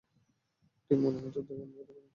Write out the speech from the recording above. Team, মনে হচ্ছে উত্তেজনায় ফেটে পড়ব!